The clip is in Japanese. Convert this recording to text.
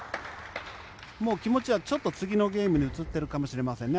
気持ちはちょっと次のゲームに移っているかもしれませんね